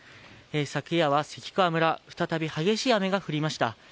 昨夜は関川村、再び激しい雨が降りました。